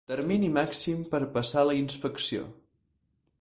Termini màxim per passar la inspecció.